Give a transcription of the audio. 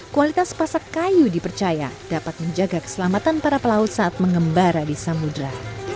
kualitas pasak kayu dipercaya dapat menjaga keselamatan para pelaut saat mengembara di samudera